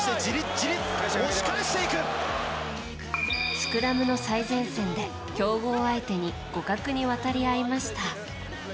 スクラムの最前線で強豪を相手に互角に渡り合いました。